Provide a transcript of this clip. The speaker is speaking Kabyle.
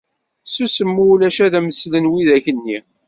Susem mulac ad m-d-slen widak-nni.